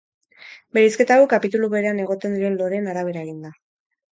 Bereizketa hau kapitulu berean egoten diren loreen arabera egin da.